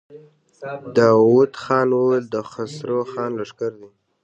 داوود خان وويل: د خسرو خان لښکر دی.